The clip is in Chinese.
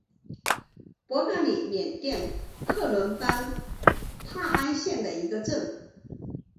博嘎里缅甸克伦邦帕安县的一个镇。